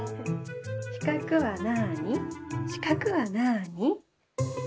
「しかくはなあにしかくはなあに」。